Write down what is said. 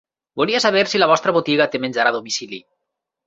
Volia saber si la vostra botiga té menjar a domicili.